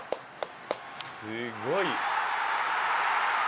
すごい。